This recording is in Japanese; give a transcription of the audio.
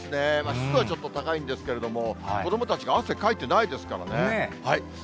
湿度はちょっと高いんですけども、子どもたちは汗かいてないですからね。